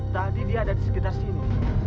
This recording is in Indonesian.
tadi dia ada di sekitar sini